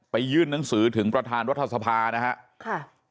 ไปยื่นนับค้นถึงประธานวัทธศพาพูมคุณค่ะ